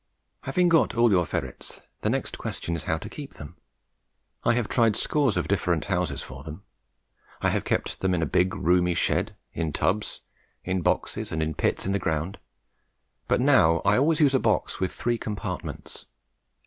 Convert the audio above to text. Having got all your ferrets, the next question is how to keep them. I have tried scores of different houses for them. I have kept them in a big roomy shed, in tubs, in boxes, and in pits in the ground; but now I always use a box with three compartments.